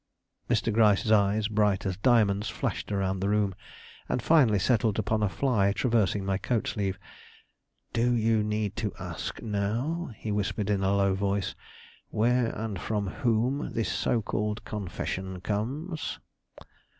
Mr. Gryce's eyes, bright as diamonds, flashed around the room, and finally settled upon a fly traversing my coat sleeve. "Do you need to ask now," he whispered, in a low voice, "where, and from whom, this so called confession comes?"